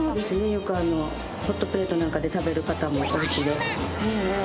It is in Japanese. よくホットプレートなんかで食べる方も、おうちで。